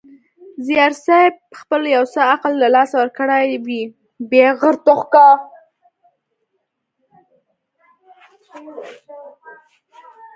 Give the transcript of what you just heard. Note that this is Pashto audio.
زیارصېب خپل یو څه عقل له لاسه ورکړی وي.